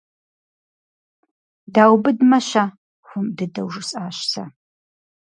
Даубыдмэ-щэ? - хуэм дыдэу жысӀащ сэ.